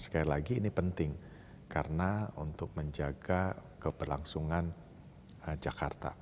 sekali lagi ini penting karena untuk menjaga keberlangsungan jakarta